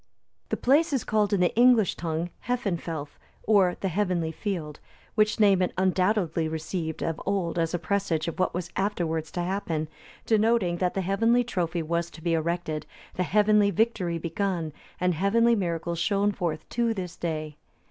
The place is called in the English tongue Hefenfelth, or the Heavenly Field,(290) which name it undoubtedly received of old as a presage of what was afterwards to happen, denoting, that the heavenly trophy was to be erected, the heavenly victory begun, and heavenly miracles shown forth to this day.